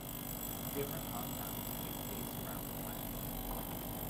Different compounds can be placed around the triangle.